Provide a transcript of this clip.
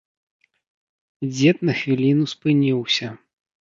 Дзед на хвіліну спыніўся.